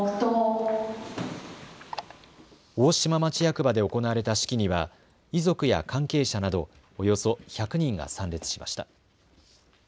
大島町役場で行われた式には遺族や関係者などおよそ１００人が参列しました。